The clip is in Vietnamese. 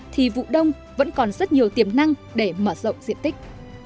thì vụ đông vẫn còn rất nhiều tiềm năng để mở rộng diện tích